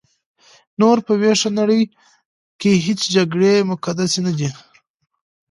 نور په ویښه نړۍ کې هیڅ جګړې مقدسې نه دي.